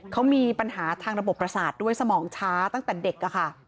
เขามีปัญหาทางระบบประสาทด้วยสมองช้าตั้งแต่เด็กค่ะ